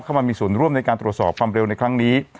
เข้ามามีส่วนร่วมในการตรวจสอบความเร็วในครั้งนี้